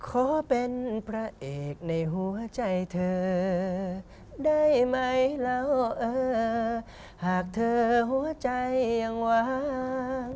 ขอเป็นพระเอกในหัวใจเธอได้ไหมแล้วเออหากเธอหัวใจยังวาง